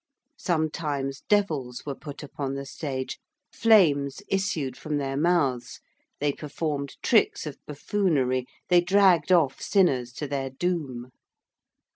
Sometimes devils were put upon the stage: flames issued from their mouths: they performed tricks of buffoonery: they dragged off sinners to their doom.